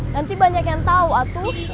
nanti banyak yang tau atuh